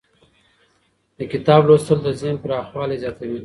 د کتاب لوستل د ذهن پراخوالی زیاتوي.